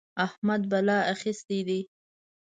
احمد بلا اخيستی دی.